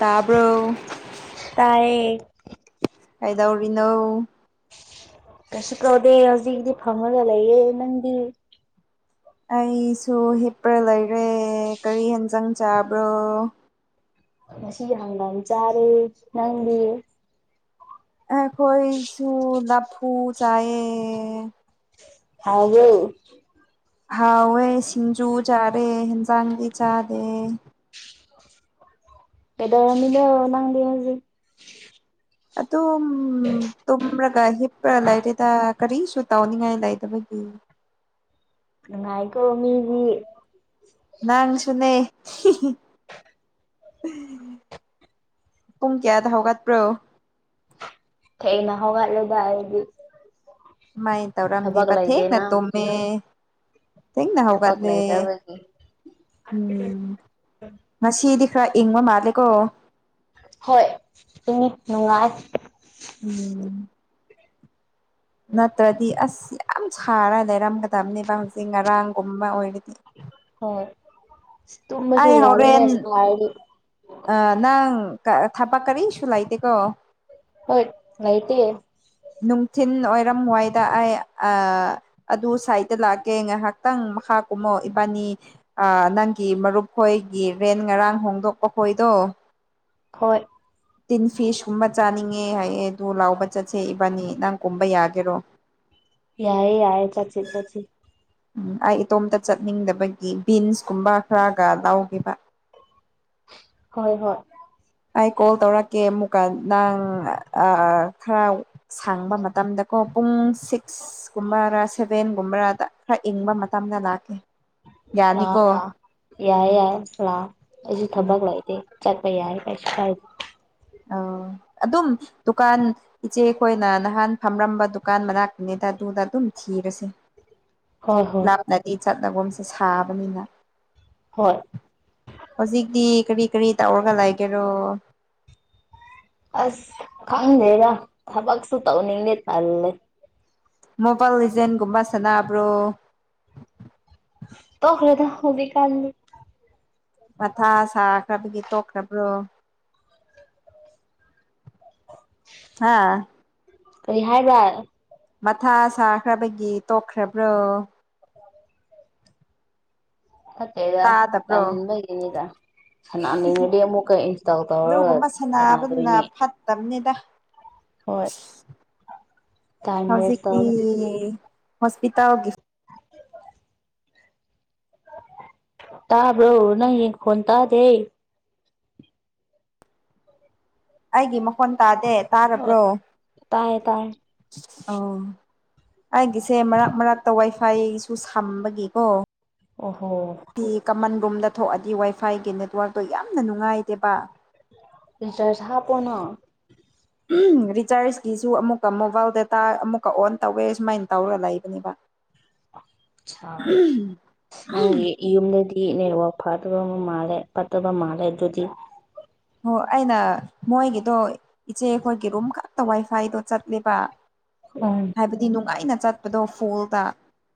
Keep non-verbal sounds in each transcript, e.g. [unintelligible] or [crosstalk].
ꯇꯥꯕ꯭ꯔꯣ ꯇꯥꯏꯌꯦ ꯀꯩꯗꯧꯔꯤꯅꯣ ꯀꯩꯁꯨ ꯗꯧꯗꯦ ꯍꯧꯖꯤꯛꯇꯗꯤ ꯐꯝꯔꯒ ꯂꯩꯌꯦ ꯅꯪꯗꯤ ꯑꯩꯁꯨ ꯍꯤꯞꯄ꯭ꯔ ꯂꯩꯔꯦ ꯀꯔꯤ ꯌꯦꯟꯖꯥꯡ ꯆꯥꯕ꯭ꯔꯣ ꯉꯁꯤ ꯍꯥꯡꯒꯥꯝ ꯆꯥꯔꯦ ꯅꯪꯗꯤ ꯑꯈꯣꯏꯁꯨ ꯂꯐꯨ ꯆꯥꯏꯌꯦ ꯍꯥꯎꯕ꯭ꯔꯣ ꯍꯥꯎꯋꯦ ꯁꯤꯡꯖꯨ ꯆꯥꯔꯦ ꯍꯦꯟꯖꯥꯡꯗꯤ ꯆꯥꯗꯦ ꯀꯩꯗꯧꯔꯝ ꯃꯤꯅꯣ ꯅꯪꯗꯤ ꯍꯧꯖꯤꯛ ꯑꯗꯨꯝ ꯇꯨꯝꯔ ꯀ ꯍꯤꯞꯔꯒ ꯂꯩꯥꯏꯔꯤꯗ ꯀꯔꯤꯁꯨ ꯇꯧꯅꯤꯡꯉꯥꯏ ꯂꯩꯗꯕꯒꯤ ꯅꯨꯡꯉꯥꯏ ꯀꯣ ꯃꯤꯗꯤ ꯅꯪꯁꯨꯅꯦ ꯄꯨꯡ ꯀꯌꯥꯗ ꯍꯧꯒꯠꯄ꯭ꯔꯣ ꯊꯦꯡꯅ ꯍꯧꯒꯂꯦꯗ ꯑꯩꯗꯤ ꯃꯥꯏ ꯊꯕꯛ ꯇꯧꯔꯝꯅꯤꯕ ꯊꯦꯡꯅ ꯂꯩꯇꯦꯅ ꯇꯨꯝꯃꯦ ꯊꯅ ꯍꯧꯒꯠ ꯊꯕꯛ ꯂꯦ ꯂꯩꯇꯕꯒꯤ ꯎꯝ ꯉꯁꯤꯗꯤ ꯈꯔ ꯏꯪꯕ ꯃꯥꯜꯂꯦꯀꯣ ꯍꯣꯏ ꯏꯡꯏ ꯅꯨꯡꯉꯥꯏ ꯎꯝ ꯅꯠꯇ꯭ꯔꯗꯤ ꯑꯁ ꯌꯥꯝ ꯁꯥꯔ ꯂꯩꯔꯝꯒꯗꯕꯅꯦꯕ ꯍꯧꯖꯤꯛ ꯉꯔꯥꯡꯒꯨꯝꯕ ꯑꯣꯏꯔꯗꯤ ꯍꯣꯏ ꯇꯨꯝꯃꯁꯨ ꯑꯩ ꯌꯗꯦꯅꯦ ꯍꯣꯔꯦꯟ ꯁꯥꯔꯗꯤ ꯑ ꯅꯪ ꯊꯕꯛ ꯀꯔꯤꯁꯨ ꯂꯩꯇꯦꯀꯣ ꯍꯣꯏ ꯂꯩꯇꯦ ꯅꯨꯡꯊꯤꯟ ꯑꯣꯏꯔꯝꯋꯥꯏꯗ ꯑꯩ ꯑ ꯑꯗꯨ ꯁꯥꯏꯠꯇ ꯂꯥꯛꯀꯦ ꯉꯥꯏꯍꯥꯛ ꯅꯪ ꯃꯈ ꯀꯨꯝꯃꯣ ꯏꯕꯥꯅꯤ ꯑꯥ ꯅꯪꯒꯤ ꯃꯔꯨꯞ ꯍꯣꯏꯒꯤ ꯔꯦꯟ ꯉꯔꯥꯡ ꯍꯣꯡꯗꯣꯛꯄ ꯍꯣꯏꯗꯣ ꯍꯣꯏ ꯇꯤꯟ ꯐꯤꯁ ꯀꯨꯝꯕ ꯆꯥꯅꯤꯡꯉꯦ ꯍꯥꯏꯌꯦ ꯑꯗꯨ ꯂꯥꯎꯕ ꯆꯠꯁꯦ ꯏꯕꯥꯅꯤ ꯅꯪ ꯀꯨꯝꯕ ꯌꯥꯒꯦꯔꯣ ꯌꯥꯏꯦ ꯌꯥꯏꯌꯦ ꯆꯥꯆꯤ ꯆꯆꯤ ꯎꯝ ꯑꯩ ꯏꯇꯣꯝꯇ ꯆꯠꯅꯤꯡꯗꯕꯒꯤ ꯕꯤꯟꯁ ꯀꯨꯝꯕ ꯈꯔꯒ ꯂꯧꯒꯦꯕ ꯍꯣꯏ ꯍꯣꯏ ꯑꯩ ꯀꯣꯜ ꯇꯧꯔꯛꯀꯦ ꯑꯃꯨꯛꯀ ꯅꯪ ꯑꯥ ꯈꯔ ꯁꯥꯡꯕ ꯃꯇꯝꯗꯀꯣ ꯄꯨꯡ ꯁꯤꯛꯁ ꯁꯤꯛꯁ ꯀꯨꯝꯕꯔꯥ ꯁꯚꯦꯟ ꯒꯨꯝꯕꯔꯥꯗ ꯈꯔ ꯏꯪꯕ ꯃꯇꯝꯗ ꯂꯥꯛꯀꯦ ꯂꯥꯎ ꯌꯥꯅꯤꯀꯣ ꯂꯥꯎ ꯌꯥꯏ ꯌꯥꯏ ꯂꯥꯎ ꯑꯩꯁꯨ ꯎꯝ ꯊꯕꯛ ꯂꯩꯇꯦ ꯆꯠꯄ ꯌꯥꯏ ꯀꯩꯁꯨ ꯀꯥꯏꯗꯦ ꯑ ꯑꯗꯨꯝ ꯗꯨꯀꯥꯟ ꯏꯆꯦ ꯑꯩꯈꯣꯏꯅ ꯅꯍꯥꯟ ꯐꯝꯂꯝꯝꯕ ꯗꯨꯀꯥꯟ ꯃꯅꯥꯛꯇꯨꯅꯤꯗ ꯑꯗꯨꯗ ꯑꯗꯨꯝ ꯊꯤꯔꯁꯦ ꯍꯣꯏ ꯍꯣꯏ ꯂꯥꯞꯅꯗꯤ ꯆꯠꯂꯒꯁꯦ ꯁꯥꯕꯅꯤꯅ ꯍꯣꯏ ꯍꯧꯖꯤꯛꯇꯤ ꯀꯔꯤ ꯀꯔꯤ ꯇꯧꯔꯒ ꯂꯩꯒꯦꯔꯣ ꯑꯁ ꯈꯪꯗꯦꯗ ꯊꯕꯛꯁꯨ ꯇꯧꯅꯤꯡꯗꯦ ꯇꯜꯂꯦ ꯃꯣꯕꯥꯏꯜ ꯂꯤꯖꯦꯟꯒꯨꯝꯕ ꯁꯥꯅꯕ꯭ꯔꯣ ꯇꯣꯛꯂꯦꯗ ꯍꯧꯖꯤꯛ ꯀꯥꯟꯗꯤ ꯃꯊꯥ ꯁꯥꯈ꯭ꯔꯕꯒꯤ ꯇꯣꯛꯈ꯭ꯔꯕ꯭ꯔꯣ ꯍꯥꯥ ꯀꯔꯤ ꯍꯥꯏꯕꯔ ꯃꯊꯥ ꯁꯥꯈ꯭ꯔꯕꯒꯤ ꯇꯣꯛꯈ꯭ꯔꯕ꯭ꯔꯣ ꯇꯥꯗꯕ꯭ꯔꯣ ꯇꯟꯕꯒꯤꯅꯤꯗ ꯁꯥꯟꯅꯥꯅꯤꯡꯉꯗꯤ ꯑꯃꯨꯛꯀ ꯏꯟꯁꯇꯜ ꯇꯧꯔꯒ ꯁꯥꯟꯅꯗꯣꯏꯅꯦ ꯇꯝꯅꯤꯗ ꯍꯣꯏ ꯇꯥꯏꯝ ꯋꯦꯁ ꯍꯧꯖꯤꯛꯇꯤ ꯇꯧꯅꯤ ꯍꯣꯁꯄꯤꯇꯥꯜꯒꯤ ꯇꯥꯕ꯭ꯔꯣ ꯅꯪꯒꯤ ꯈꯣꯟ ꯇꯥꯗꯦ ꯑꯩꯒꯤ ꯃꯈꯣꯟ ꯇꯥꯗꯦ ꯑꯣ ꯇꯥꯔꯕ꯭ꯔꯣ ꯇꯥꯏꯌꯦ ꯇꯥꯏꯌꯦ ꯑ ꯑꯩꯒꯤꯁꯦ ꯃꯔꯛ ꯃꯔꯛꯇ ꯋꯥꯏꯐꯥꯏꯁꯨ ꯁꯝꯕꯒꯤꯀꯣ ꯑꯣ ꯍꯣ ꯐꯤ ꯀꯃꯟ ꯔꯨꯝꯗ ꯊꯣꯛꯑꯗꯤ ꯋꯥꯏꯐꯥꯏꯒꯤ ꯅꯦꯠꯋꯥꯥꯛꯇꯣ ꯌꯥꯝꯅ ꯅꯨꯡꯉꯥꯏꯇꯦꯕ ꯔꯤꯆꯥꯔꯁ ꯍꯥꯞꯄꯣꯅ ꯔꯤꯆꯥꯔꯖꯀꯤꯁꯨ ꯑꯃꯨꯛꯀ ꯃꯣꯕꯥꯏꯜ ꯗꯇꯥ ꯑꯃꯨꯛꯀ ꯑꯣꯟ ꯇꯧꯋꯦ ꯁꯨꯃꯥꯏꯅ ꯇꯧꯔ ꯂꯩꯕꯅꯦꯕ [inaudible] ꯆꯥ ꯅꯪꯒꯤ ꯌꯨꯝꯗꯗꯤ ꯅꯦꯠꯋꯥꯛ ꯐꯗꯕ ꯑꯃ ꯃꯥꯜꯂꯦ ꯐꯠꯇꯕ ꯃꯥꯜꯂꯦ ꯑꯗꯨꯗꯤ ꯑꯣ ꯑꯩꯅ ꯃꯣꯏꯒꯤꯗꯣ ꯏꯆꯦꯈꯣꯏꯒꯤ ꯔꯨꯝ ꯈꯛꯇ ꯋꯥꯏ ꯁ꯭ꯋꯥꯏꯗꯣ ꯆꯠꯂꯤꯕ ꯎꯝ ꯍꯥꯏꯕꯗꯤ ꯅꯨꯡꯉꯥꯏꯅ ꯆꯠꯄꯗꯣ ꯐꯨꯜꯗ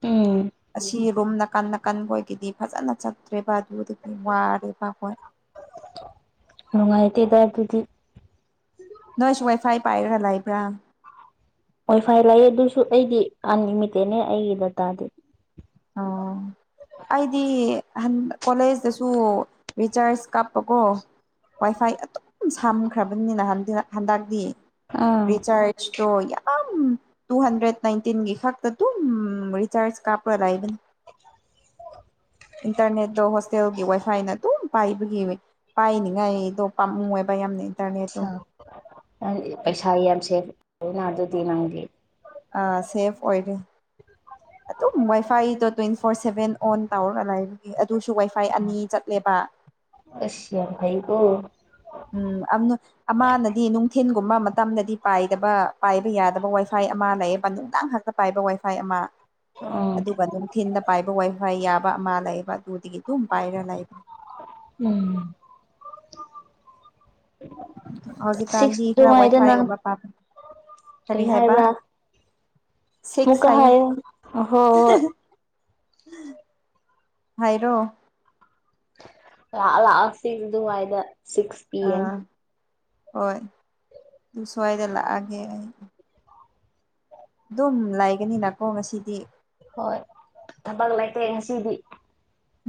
ꯎꯝ ꯑꯁꯤ ꯔꯨꯝ ꯅꯀꯟꯗ ꯑꯀꯟꯕꯣꯏꯒꯤꯗꯤ ꯐꯖꯅ ꯆꯠꯇ꯭ꯔꯦꯕ ꯑꯗꯨꯗꯒꯤ ꯋꯥꯔꯦꯕ ꯍꯣꯏ ꯅꯨꯡꯉꯥꯏꯇꯦꯗ ꯑꯗꯨꯗꯤ ꯅꯣꯏꯁꯨ ꯋꯥꯏꯐꯥꯏ ꯄꯥꯏꯔꯒ ꯂꯩꯕ꯭ꯔꯥ ꯋꯥꯏ ꯐꯥꯏ ꯂꯩꯑꯦ ꯑꯗꯨꯁꯨ ꯑꯩꯗꯤ ꯑꯟꯂꯤꯃꯤꯇꯦꯠꯅꯦ ꯑꯩꯒꯤ ꯗꯇꯥꯗꯤ ꯑꯣ ꯑꯩꯗꯤ ꯀꯣꯂꯦꯖꯇꯁꯨ ꯔꯤꯆꯥꯔꯁ ꯀꯥꯞꯄꯕꯣ ꯋꯥꯏꯐꯥꯏ ꯑꯗꯨꯝ ꯁꯝꯈ꯭ꯔꯕꯅꯤꯅ ꯍꯟꯗꯛꯇꯤ ꯑꯥ ꯔꯤꯆꯥꯔꯖ ꯌꯥꯝ ꯇꯨ ꯍꯟꯗ꯭ꯔꯦꯠ ꯅꯥꯏꯟꯇꯤꯟ ꯈꯛꯇ ꯗꯨꯝ ꯔꯤꯆꯥꯔꯁꯠ ꯀꯥꯞ ꯄꯔꯗꯅ [unintelligible] ꯏꯟꯇꯔꯅꯦꯠꯇꯣ ꯍꯣꯁꯇꯦꯜꯒꯤ ꯋꯥꯏꯐꯥꯏꯅ ꯑꯗꯨꯝ ꯄꯥꯏꯕꯒꯤ ꯄꯥꯏꯅꯤꯉꯥꯏ ꯑꯩꯗꯣ ꯄꯥꯝꯃꯨꯏꯌꯦꯕ ꯌꯥꯝꯅ ꯏꯟꯇꯔꯅꯦꯠꯇꯣ ꯄꯩꯁꯥ ꯌꯥꯝ ꯁꯦꯞ ꯇꯧꯏꯅ ꯑꯗꯨꯗꯤ ꯅꯪꯒꯤ ꯑ ꯁꯦꯐ ꯑꯣꯏꯔꯦ ꯑꯗꯨꯝ ꯋꯥꯏꯐꯥꯏꯗꯣ ꯇ꯭ꯋꯦꯟꯇꯤ ꯐꯣꯔ ꯁꯚꯦꯟ ꯑꯣꯟ ꯇꯧꯔꯒ ꯂꯩꯕꯒꯤ ꯑꯗꯨꯁꯨ ꯋꯥꯏ ꯐꯥꯏ ꯑꯅꯤ ꯆꯠꯂꯦꯕ ꯑꯁ ꯌꯥꯝ ꯍꯩꯀꯣ ꯎꯝ ꯑꯝꯅ ꯑꯃꯅꯗꯤ ꯅꯨꯡꯊꯤꯟꯒꯨꯝꯕ ꯃꯇꯝꯗꯗꯤ ꯄꯥꯏꯗꯕ ꯄꯥꯏꯕ ꯌꯥꯗꯕ ꯋꯥꯏꯐꯥꯏ ꯑꯃ ꯂꯩꯌꯦꯕ ꯅꯨꯡꯗꯥꯡ ꯍ ꯄꯥꯏꯕ ꯋꯥꯏꯐꯥꯏ ꯑꯃ ꯎꯝ ꯑꯗꯨꯒ ꯑꯗꯨꯝ ꯊꯤꯟꯅ ꯄꯥꯏꯕ ꯋꯥꯏ ꯋꯥꯏ ꯌꯥꯕ ꯑꯃ ꯂꯩꯕ ꯑꯗꯨꯗꯒꯤ ꯑꯗꯨꯝ ꯄꯥꯏꯔ ꯂꯩꯕ ꯎꯝ ꯁꯤꯛꯁ ꯍꯧꯖꯤꯛꯀꯥꯟꯗꯤ ꯈꯔ ꯗꯨꯉꯥꯏꯗꯅ ꯋꯥꯏꯐꯥꯏꯒꯨꯝꯕ ꯄꯥꯝꯃꯦ ꯀꯔꯤ ꯀꯩ ꯍꯥꯏꯕ ꯍꯥꯏꯕ꯭ꯔꯥ ꯁꯤꯛꯁ ꯑꯃꯨꯛꯀ ꯍꯥꯏꯣ ꯍꯥꯏꯌꯣ ꯍꯣꯏ ꯍꯣꯏ ꯍꯥꯏꯔꯣ ꯂ ꯂꯥꯁ ꯁꯤ ꯑꯗꯨ ꯍꯥꯏꯥꯏꯗ ꯁꯤꯛꯁ ꯄꯤ ꯑꯦꯝ ꯑꯥ ꯍꯣꯏ ꯑꯗꯨ ꯁ꯭ꯋꯥꯏꯗ ꯂꯥꯛꯑꯒꯦ ꯑꯩ ꯑꯗꯨꯝ ꯂꯩꯒꯅꯤꯅꯀꯣ ꯉꯁꯤꯗꯤ ꯍꯣꯏ ꯊꯕꯛ ꯂꯩꯇꯦ ꯉꯁꯤꯗꯤ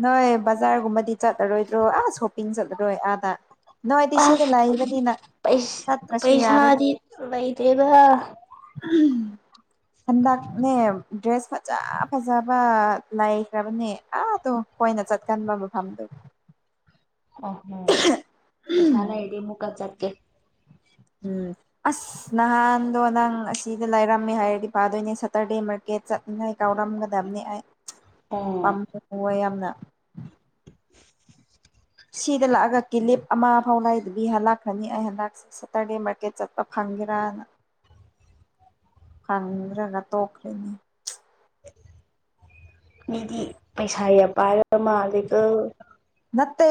ꯅꯣꯏ ꯕꯖꯥꯔꯒꯨꯝꯕꯗꯤ ꯆꯠꯂꯔꯣꯏꯗ꯭ꯔꯣ ꯑꯥ ꯁꯣꯞꯄꯤꯡ ꯆꯠꯂꯔꯣꯏ ꯑꯥꯗ ꯅꯣꯏꯗꯤ ꯁꯤꯗ ꯂꯩꯕꯅꯤꯅ ꯄꯩꯁ ꯆꯠꯇ꯭ꯔꯁꯨ ꯌꯥꯔꯦꯗ ꯄꯩꯁꯥꯗꯤ ꯂꯩꯇꯦꯗꯥ [unintelligible] ꯍꯟꯗꯛꯅꯦ ꯗ꯭ꯔꯦꯁ ꯐꯖ ꯐꯖꯕ ꯂꯩꯈ꯭ꯔꯕꯅꯦ ꯑꯥꯗꯣ ꯈꯣꯏꯅ ꯆꯠꯀꯟꯕ ꯃꯐꯝꯗ ꯑꯍꯣ ꯄꯩꯁꯥ ꯂꯩꯔꯗꯤ ꯑꯃꯨꯛꯀ ꯆꯠꯀꯦ ꯎꯝ ꯑꯁ ꯅꯍꯥꯟꯗꯣ ꯅꯪ ꯑꯁꯤꯗ ꯂꯥꯏꯔꯝꯃꯦ ꯍꯥꯏꯔꯗꯤ ꯐꯗꯣꯏꯅꯦ ꯁꯇꯔꯗꯦ ꯃꯥꯔꯀꯦꯠ ꯆꯠ ꯅꯣꯏ ꯀꯧꯔꯝꯒꯗꯝꯅꯦ ꯑꯩ ꯑꯣ ꯄꯥꯝꯃꯣꯌꯦ [unintelligible] ꯌꯥꯝꯅ ꯁꯤꯗ ꯂꯥꯛꯑꯒ ꯀꯤꯂꯤꯞ ꯑꯃ ꯐꯥꯎ ꯂꯩꯗꯕꯤ ꯍꯜꯂꯛꯈ꯭ꯔꯅꯤ ꯑꯩ ꯍꯟꯗꯛ ꯁ ꯁꯇꯥꯔꯗꯦ ꯃꯥꯔꯀꯦꯠ ꯆꯠꯄ ꯐꯪꯒꯦꯔꯥꯅ ꯐꯪꯗ꯭ꯔꯒ ꯇꯣꯛꯈ꯭ꯔꯅꯤ ꯃꯤꯗꯤ ꯄꯩꯁꯥ ꯌꯥꯝ ꯄꯥꯏꯔ ꯃꯥꯂꯦꯀꯣ ꯅꯠꯇꯦ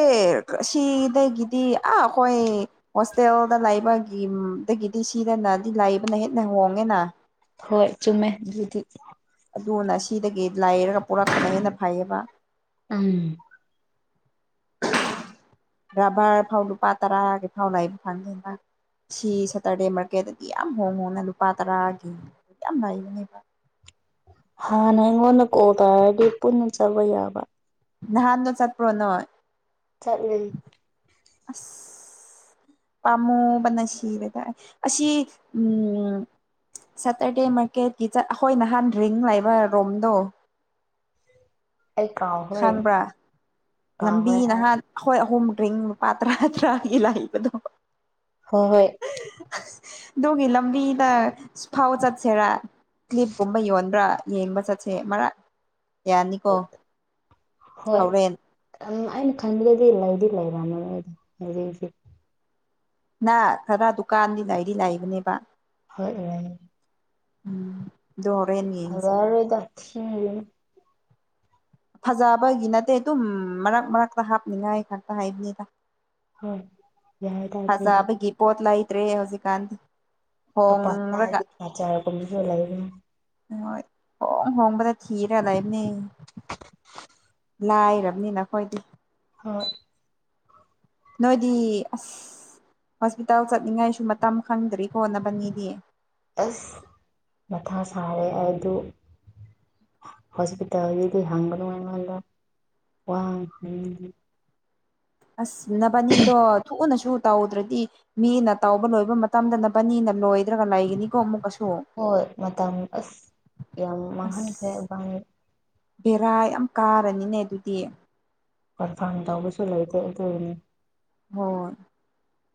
ꯁꯤꯗꯒꯤꯗꯤ ꯑꯥ ꯍꯣꯏ ꯍꯣꯁꯇꯦꯜꯗ ꯂꯩꯕꯒꯤꯗꯒꯤꯗꯤ ꯁꯤꯗꯅꯗꯤ ꯂꯩꯕꯅ ꯍꯦꯟꯅ ꯍꯣꯡꯉꯦꯅ ꯍꯣꯏ ꯆꯨꯝꯃꯦ ꯗꯨꯗꯤ ꯑꯗꯨꯅ ꯁꯤꯗꯒꯤ ꯂꯩꯔꯒ ꯄꯨꯔꯛꯄꯅ ꯍꯦꯟꯅ ꯐꯩꯌꯦꯕ ꯎꯝ [inaudible] ꯔꯚꯔ ꯐꯥꯎ ꯂꯨꯄꯥ ꯇꯔꯥꯒꯤ ꯐꯥꯎ ꯂꯩꯕ ꯐꯪꯗꯦꯗ ꯁꯤ ꯁꯇꯔꯗꯦ ꯃꯥꯔꯀꯦꯠꯇꯗꯤ ꯌꯥꯝ ꯍꯣꯡ ꯍꯣꯡꯅ ꯂꯨꯄꯥ ꯇꯔꯥꯒꯤ ꯌꯥꯝ ꯂꯩꯕꯅꯦꯕ ꯍꯥꯟꯅ ꯑꯩꯉꯣꯟꯗ ꯀꯣꯜ ꯇꯧꯔꯗꯤ ꯄꯨꯟꯅ ꯆꯠꯕ ꯌꯥꯕ ꯅꯍꯥꯟꯗꯣ ꯆꯠꯄ꯭ꯔꯣ ꯅꯣꯏ ꯆꯠꯂꯤ ꯑꯁ ꯄꯥꯝꯃꯨꯕꯅ ꯁꯤꯔꯦꯗ ꯑꯩ ꯑꯁꯤ ꯎꯝ ꯁꯦꯇꯔꯗꯦ ꯃꯥꯔꯀꯦꯠꯀꯤ ꯆꯠ ꯑꯩꯈꯣꯏ ꯅꯍꯥꯟ ꯗ꯭ꯔꯤꯡ ꯂꯩꯕ ꯔꯣꯝꯗꯣ ꯑꯩ ꯀꯥꯎꯒ꯭ꯔꯦ ꯈꯪꯕ꯭ꯔꯥ ꯂꯝꯕꯤ ꯅꯍꯥꯟ ꯑꯩꯈꯣꯏ ꯑꯍꯨꯝ ꯗ꯭ꯔꯤꯡ ꯃꯄꯥ ꯇꯔꯥ ꯇꯔꯥꯒꯤ ꯂꯩꯕꯗꯣ ꯍꯣ ꯍꯣꯏ ꯑꯗꯨꯒꯤ ꯂꯝꯕꯤꯗ ꯁ꯭ꯐꯥꯎ ꯆꯠꯁꯦꯔꯥ ꯀ꯭ꯂꯤꯞꯀꯨꯝꯕ ꯌꯣꯟꯕ꯭ꯔꯥ ꯌꯦꯡꯕ ꯆꯠꯁꯦ ꯃꯔꯛ ꯌꯥꯅꯤꯀꯣ ꯍꯧꯔꯦꯟ ꯑꯝ ꯑꯩꯅ ꯈꯟꯕꯗꯗꯤ ꯂꯩꯗꯤ ꯂꯩꯔꯝꯃꯔꯣꯏꯗ ꯍꯧꯖꯤꯛꯇꯤ ꯅꯥ ꯈꯔ ꯗꯨꯀꯥꯟꯗꯤ ꯂꯩꯗꯤ ꯂꯩꯕꯅꯦꯕ ꯍꯣꯏ ꯔꯩ ꯗꯣ ꯍꯔꯦꯟꯅꯤ ꯐꯖꯔꯣꯏꯗ ꯊꯤꯔꯝꯃꯅꯤ ꯐꯖꯕꯒꯤ ꯅꯠꯇꯦ ꯑꯗꯨꯝ ꯃꯔꯛ ꯃꯔꯛꯇ ꯍꯥꯞꯅꯤꯡꯉꯥꯏ ꯈꯛꯇ ꯍꯥꯏꯕꯅꯤꯗ ꯍꯣꯏ ꯌꯥꯏꯗ ꯑꯗꯨꯗꯤ ꯐꯖꯕꯒꯤ ꯄꯣꯠ ꯂꯩꯗ꯭ꯔꯦ ꯍꯧꯖꯤꯛꯀꯥꯟꯗꯤ ꯂꯨꯄꯥ ꯍꯣꯡꯔꯒ [unintelligible] ꯅꯖ꯭ꯔꯒꯨꯝꯕꯖꯨ ꯂꯩꯕꯅꯤ ꯍꯣꯏ ꯍꯣꯡ ꯍꯣꯡꯕꯗ ꯊꯤꯔꯦ ꯂꯩꯕꯅꯦ ꯂꯥꯏꯔꯝꯅꯤꯅ ꯑꯈꯣꯏꯗꯤ ꯍꯣꯏ ꯅꯣꯏꯗꯤ ꯑꯁ ꯍꯣꯁꯄꯤꯇꯥꯜ ꯆꯠꯅꯤꯡꯉꯥꯏꯁꯨ ꯃꯇꯝ ꯈꯪꯗ꯭ꯔꯤꯀꯣ ꯅꯕꯥꯟꯅꯤꯗꯤ ꯑꯁ ꯃꯊꯥ ꯁꯥꯔꯦ ꯑꯩꯗꯨ ꯍꯣꯁꯄꯤꯇꯥꯜꯒꯤꯗꯤ ꯍꯪꯒꯅꯨ ꯑꯩꯉꯣꯟꯗ ꯋꯥꯍꯪ ꯍꯪꯗꯤ ꯑꯁ ꯅꯕꯥꯅꯤꯗꯣ ꯊꯨꯅꯁꯨ ꯇꯧꯗ꯭ꯔꯗꯤ ꯃꯤꯅ ꯇꯧꯕ ꯂꯣꯏꯕ ꯃꯇꯝꯗ ꯅꯕꯥꯅꯤꯅ ꯂꯣꯏꯗ꯭ꯔꯒ ꯂꯩꯒꯅꯤꯀꯣ ꯑꯃꯨꯛꯀꯁꯨ ꯍꯣꯏ ꯃꯇꯝ ꯑꯁ ꯌꯥꯝ ꯃꯥꯡꯍꯟꯈ꯭ꯔꯦ ꯑꯁ ꯏꯕꯥꯅꯤ ꯕꯦꯔꯥ ꯌꯥꯝ ꯀꯥꯔꯅꯤꯅꯦ ꯑꯗꯨꯗꯤ ꯀꯟꯐꯥꯝ ꯇꯧꯕꯁꯨ ꯂꯩꯇꯦ ꯑꯗꯨꯒꯤꯅꯤ ꯍꯣꯏ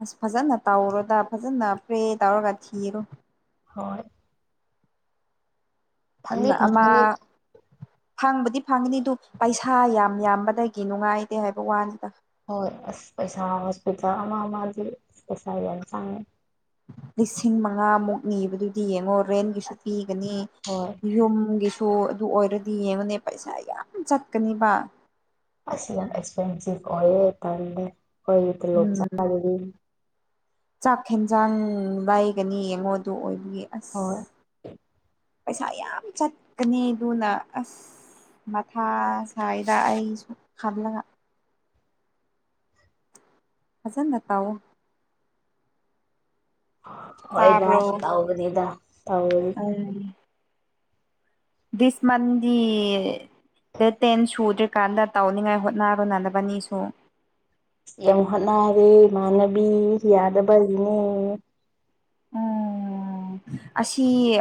ꯑꯁ ꯐꯖꯅ ꯇꯧꯔꯣꯗ ꯐꯖꯅ ꯄ꯭ꯔꯦ ꯇꯧꯔꯒ ꯊꯤꯔꯣ ꯍꯣꯏ ꯐꯪꯗꯤ ꯑꯟꯅ ꯑꯃ ꯐꯪꯒꯅꯤꯗ ꯐꯪꯕꯗꯤ ꯐꯪꯒꯅꯤ ꯑꯗꯨ ꯄꯩꯁꯥ ꯌꯥꯝ ꯌꯥꯝꯕꯗꯒꯤ ꯅꯨꯡꯉꯥꯏꯇꯦ ꯍꯥꯏꯕ ꯋꯥꯅꯤꯗ ꯍꯣꯏ ꯑꯁ ꯄꯩꯁꯥ ꯍꯣꯁꯄꯤꯇꯥꯜ ꯑꯃ ꯑꯃꯖꯦ ꯄꯩꯁꯥ ꯌꯥꯝ ꯆꯪꯉꯦ ꯂꯤꯁꯤꯡ ꯃꯉꯥꯃꯨꯛ ꯅꯤꯕꯗꯨꯗꯤ ꯌꯦꯡꯉꯣ ꯔꯦꯟꯒꯤꯁꯨ ꯑꯁ ꯄꯤꯒꯅꯤ ꯍꯣꯏ ꯌꯨꯝꯒꯤꯁꯨ ꯇꯨ ꯑꯗꯨ ꯑꯣꯏꯔꯗꯤ ꯌꯦꯡꯉꯨꯅꯦ ꯄꯩꯁꯥ ꯌꯥꯝ ꯆꯠꯀꯅꯤꯕ ꯑꯁ ꯌꯥꯝ ꯑꯦꯁꯄꯦꯟꯁꯤꯚ ꯑꯣꯏꯌꯦ ꯇꯜꯂꯦ ꯑꯈꯣꯏꯒꯤ ꯇꯣꯂꯣꯞ ꯎꯝ ꯆꯥꯔꯅꯤ ꯆꯥꯛ ꯍꯦꯟꯖꯥꯡ ꯂꯩꯒꯅꯤ ꯌꯦꯡꯉꯣ ꯑꯗꯨ ꯑꯣꯏꯕꯒꯤ ꯑꯁ ꯍꯣꯏ ꯄꯩꯁꯥ ꯌꯥꯝ ꯆꯠꯀꯅꯤ ꯑꯗꯨꯅ ꯑꯁ ꯃꯊꯥ ꯁꯥꯏꯗ ꯑꯩ ꯁꯨꯨꯝ ꯈꯜꯂꯒ ꯐꯖꯅ ꯇꯧꯋꯣ ꯍꯣꯏꯗ ꯇꯥꯕ꯭ꯔꯣ ꯇꯧꯒꯅꯤꯗ ꯇꯧꯋꯤ ꯎꯝ ꯗꯤꯁ ꯃꯟꯗꯤ ꯗꯦꯠ ꯇꯦꯟ ꯁꯨꯗ꯭ꯔꯤꯀꯥꯟꯗ ꯇꯧꯅꯤꯡꯉꯥꯏ ꯍꯣꯠꯅꯔꯣꯅ ꯅꯕꯥꯅꯤꯁꯨ ꯌꯥꯝ ꯍꯣꯠꯅꯔꯦ ꯏꯃꯥꯟꯅꯕꯤ ꯌꯥꯗꯕꯒꯤꯅꯦ ꯑꯣ ꯑꯁꯤ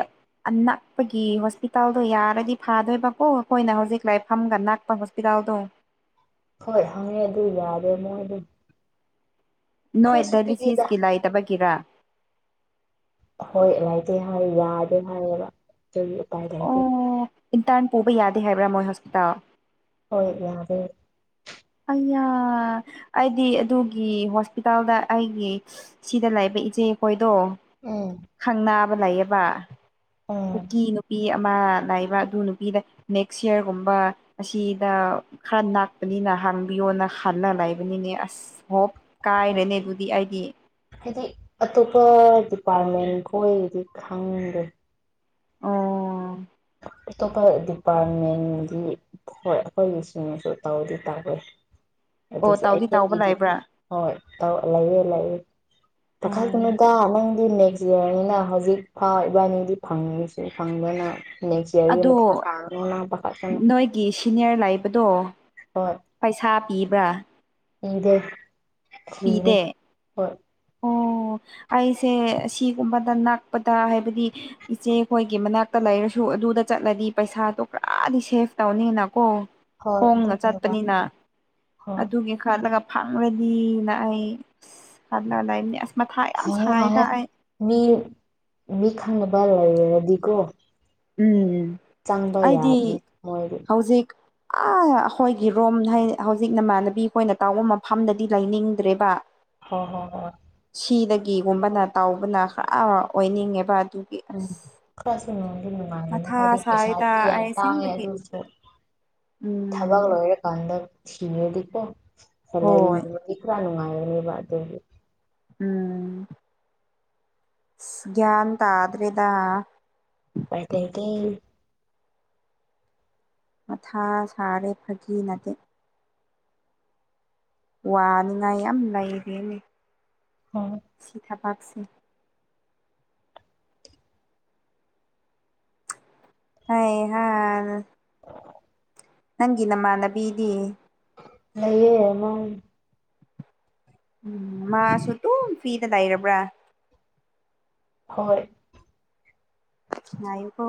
ꯑꯅꯛꯄꯒꯤ ꯍꯣꯁꯄꯤꯇꯥꯜꯗꯣ ꯌꯥꯔꯗꯤ ꯐꯥꯗꯨꯏꯕꯀꯣ ꯑꯈꯣꯏꯅ ꯍꯧꯖꯤꯛ ꯂꯩꯐꯝꯒ ꯅꯛꯄ ꯄꯤꯔꯥꯜꯗꯣ ꯍꯣꯏ ꯍꯪꯉꯦ ꯑꯗꯨ ꯌꯥꯗꯦ ꯃꯣꯏꯗꯨ ꯅꯣꯏ ꯈꯔꯁꯨ ꯄꯤꯛꯏꯗ ꯗꯦꯂꯤꯁꯤꯁꯀꯤ ꯂꯩꯇꯕꯒꯤꯔꯥ ꯍꯣꯏ ꯂꯩꯇꯦ ꯍꯥꯏ ꯌꯥꯗꯦ ꯍꯥꯏꯌꯦꯕ ꯑꯗꯨꯒꯤ ꯎꯄꯥꯏ ꯂꯩꯇꯦ ꯑꯣ ꯏꯟꯇ꯭ꯔꯟ ꯄꯨꯕ ꯌꯥꯗꯦ ꯍꯥꯏꯕ꯭ꯔꯥ ꯃꯣꯏ ꯍꯣꯁꯄꯤꯇꯥꯜ ꯍꯣꯏ ꯌꯥꯔꯦ꯫ ꯑꯩꯅ ꯑꯩꯗꯤ ꯑꯗꯨꯒꯤ ꯍꯣꯁꯄꯤꯇꯥꯜꯗ ꯑꯩꯒꯤ ꯁꯤꯗ ꯂꯩꯥꯕ ꯏꯆꯦ ꯈꯣꯏꯗꯣ ꯎꯝ ꯈꯪ ꯅꯥꯕ ꯂꯩꯌꯦꯕ꯫ ꯎꯝ ꯀꯨꯀꯤ ꯅꯨꯄꯤ ꯑꯃ ꯂꯩꯕ ꯑꯗꯨ ꯅꯨꯄꯤꯗ ꯅꯦꯛꯁ ꯌꯦꯔꯒꯨꯝꯕ ꯑꯁꯤꯗ ꯈꯔ ꯅꯥꯛꯄꯅꯤꯅ ꯍꯥꯡꯕꯤꯌꯣꯅ ꯈꯜꯂ ꯂꯩꯕꯅꯤꯅꯦ ꯑꯁ ꯍꯣꯞ ꯀꯥꯏꯔꯦꯅꯦ ꯑꯗꯨꯗꯤ ꯑꯩꯗꯤ꯫ ꯍꯥꯏꯗꯤ ꯑꯇꯣꯞꯄ ꯗꯤꯄꯥꯔꯠꯃꯦꯟꯈꯣꯏꯒꯤꯗꯤ ꯈꯪꯗꯦ꯫ ꯑꯣ꯫ ꯑꯇꯣꯞꯄ ꯗꯤꯄꯥꯔꯠꯃꯦꯟꯒꯤ ꯍꯣꯏ ꯑꯩꯈꯣꯏ ꯃꯤꯁꯤꯡꯅꯁꯨ ꯇꯧꯗꯤ ꯇꯥꯋꯦ ꯑꯣ ꯑꯗꯨꯁꯨ ꯇꯥꯎꯗꯤ ꯇꯥꯎꯕ ꯑꯩꯈꯣꯏꯒꯤꯗꯤ ꯂꯩꯕ꯭ꯔꯥ ꯍꯣꯏ ꯇꯧ ꯂꯩꯌꯦ-ꯂꯩꯌꯦ꯫ ꯑꯣ ꯄꯈꯠꯀꯅꯨꯗꯥ ꯅꯪꯗꯤ ꯅꯦꯛꯁ ꯌꯦꯔꯅꯤꯅ ꯍꯧꯖꯤꯛ ꯐꯥꯎ ꯏꯕꯥꯅꯤꯗꯤ ꯐꯪꯁꯨ ꯐꯪꯗꯅ ꯅꯦꯛꯁ ꯏꯌꯥꯔꯒꯤ ꯑꯗꯣ ꯃꯊꯥ ꯁꯥꯒꯅꯤꯅ꯫ ꯅꯣꯏꯒꯤ ꯁꯤꯅꯤꯌꯔ ꯂꯩꯕꯗꯣ ꯄꯩꯁꯥ ꯄꯤꯕ꯭ꯔꯥ꯫ ꯄꯤꯗꯦ꯫ ꯄꯤꯗꯦ꯫ ꯑꯣ ꯑꯩꯁꯦ ꯑꯁꯤꯒꯨꯝꯕꯗ ꯅꯛꯄꯗ ꯍꯥꯏꯕꯗꯤ ꯏꯆꯦꯈꯣꯏꯒꯤ ꯃꯅꯥꯛꯇ ꯂꯩꯔꯁꯨ ꯑꯗꯨꯗ ꯆꯠꯂꯗꯤ ꯄꯩꯁꯥꯗꯣ ꯄꯨꯔꯥꯗꯤ ꯁꯦꯚ ꯇꯧꯅꯤꯅꯀꯣ꯫ ꯍꯣꯏ ꯈꫭꯡꯅ ꯑꯗꯨꯅꯦꯕ ꯆꯠꯄꯅꯤꯅ ꯍꯣꯏ ꯑꯗꯨꯒꯤ ꯈꯠꯂꯒ ꯐꯪꯔꯗꯤꯅ ꯑꯩ ꯑꯁ ꯈꯠꯂꯒ ꯂꯩꯅꯤ ꯑꯁ ꯃꯊꯥ ꯌꯥꯝ ꯁꯥꯏꯗ ꯍꯪꯉꯣ-ꯍꯪꯉꯣ ꯑꯩ ꯃꯤ ꯃꯤ ꯈꯪꯅꯕ ꯂꯩꯔꯗꯤꯀꯣ꯫ ꯎꯝ ꯆꯪꯕ ꯑꯩꯗꯤ ꯌꯥꯕꯅꯦ ꯃꯣꯏꯗꯤ ꯍꯧꯖꯤꯛ ꯑ ꯑꯈꯣꯏꯒꯤ ꯔꯣꯝ ꯍꯥꯏ ꯍꯧꯖꯤꯛ ꯅꯃꯥꯟꯅꯕꯤ ꯈꯣꯏꯅ ꯇꯥꯎꯕ ꯃꯐꯝꯗꯗꯤ ꯂꯩꯅꯤꯡꯗ꯭ꯔꯦꯕ꯫ ꯍꫭ ꯍꯣ ꯍꯣꯏ꯫ ꯁꯤꯗꯒꯤꯒꯨꯝꯕꯅ ꯇꯥꯎꯕꯅ ꯈꯔ ꯑꯣꯏꯅꯤꯡꯉꯦꯕ ꯑꯗꯨ ꯑ ꯈꯔꯁꯨ ꯅꯨꯡꯉꯥꯏꯗꯤ ꯅꯨꯡꯉꯥꯏꯒꯅꯤ ꯃꯊꯥ ꯍꯥꯏꯗꯤ ꯁꯥꯏꯗ ꯄꯩꯁꯥꯗꯤ ꯌꯥꯝ ꯑꯩ ꯇꯥꯡꯉꯦ ꯑꯁꯦꯡꯕꯒꯤ ꯑꯗꯨꯁꯨ ꯎꯝ ꯊꯕꯛ ꯂꯣꯏꯔꯀꯥꯟꯗ ꯊꯤꯔꯗꯤꯀꯣ ꯁꯦꯂꯔꯤ ꯍꯣꯏ ꯗꯤ ꯈꯔꯥ ꯅꯨꯡꯉꯥꯏꯔꯅꯨꯕ ꯑꯗꯨꯒꯤ꯫ ꯎꯝ ꯁ ꯒꯌ꯭ꯥꯟ ꯇꯥꯗꯔ꯭ꯦꯗꯥ꯫ ꯄꯥꯏ ꯂꯩꯇꯦ꯫ ꯃꯊꯥ ꯁꯥꯔꯦ ꯐꯒꯤ ꯅꯠꯇꯦ꯫ ꯋꯥꯅꯤꯡꯉꯥꯏ ꯌꯥꯝ ꯂꯩꯔꯤꯌꯦꯅꯦ꯫ ꯍꯣꯏ꯫ ꯁꯤ ꯊꯥꯕꯥꯛꯁꯤ꯫ ꯍꯩ ꯍꯥ꯫ [unintelligible] ꯅꯪꯒꯤ ꯅꯃꯥꯟꯅꯕꯤꯗꯤ꯫ ꯂꯩꯌꯦ ꯃꯪ ꯎꯝ ꯃꯥꯁꯨ ꯗꯨꯝ ꯐ꯭ꯔꯤꯗ ꯂꯩꯔꯕ꯭ꯔꯥ꯫ ꯍꯣꯏ꯫ ꯉꯥꯏꯌꯨꯀꯣ꯫